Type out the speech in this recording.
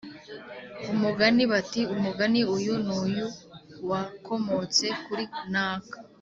umugani bati: “Umugani uyu n’uyu wakomotse kuri naka